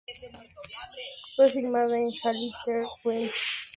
Fue filmada en Halifax, West Yorkshire, Inglaterra, Reino Unido.